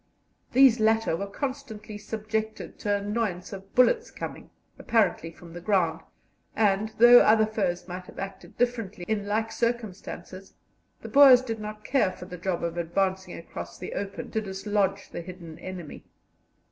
These latter were constantly subjected to the annoyance of bullets coming, apparently, from the ground, and, though other foes might have acted differently in like circumstances, the Boers did not care for the job of advancing across the open to dislodge the hidden enemy.